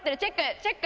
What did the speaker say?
チェック！